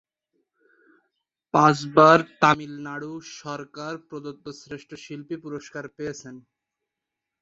পাঁচবার তামিলনাড়ু সরকার প্রদত্ত শ্রেষ্ঠ শিল্পী পুরস্কার পেয়েছেন।